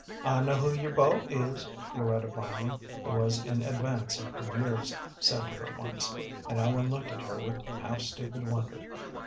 "I know who your beau is," Floretta Vining, who was in advance of her years, said to her once, and Ellen looked at her with half stupid wonder.